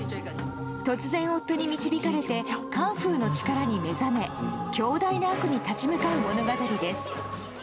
突然夫に導かれてカンフーの力に目覚め強大な悪に立ち向かう物語です。